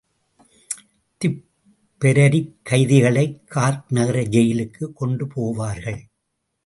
திப்பெரரிக் கைதிகளை கார்க் நகர ஜெயிலுக்குக் கொண்டு போவார்கள்.